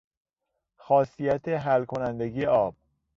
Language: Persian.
خاصیت حل کنندگی آب